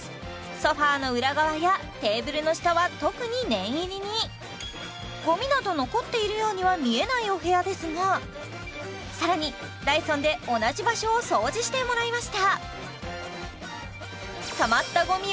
ソファーの裏側やテーブルの下は特に念入りにゴミなど残っているようには見えないお部屋ですが更にダイソンで同じ場所を掃除してもらいました・